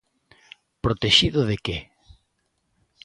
¿Protexido de que?